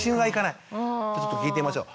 じゃあちょっと聞いてみましょう。